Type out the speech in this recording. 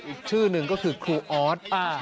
อีกชื่อหนึ่งก็คือครูออส